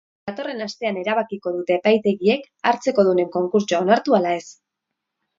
Datorren astean erabakiko dute epaitegiek hartzekodunen konkurtsoa onartu ala ez.